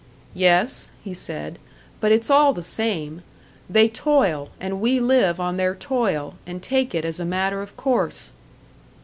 "Yes," he said, "but it's all the same. They toil, and we live on their toil, and take it as a matter of course."